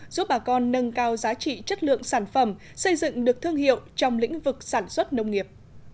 giúp bà con nâng cao giá trị chất lượng sản phẩm xây dựng được thương hiệu trong lĩnh vực sản xuất nông nghiệp